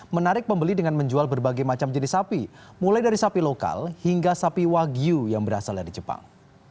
menarik pembeli dengan menjual berbagai macam jenis sapi mulai dari sapi lokal hingga sapi wagyu yang berasal dari jepang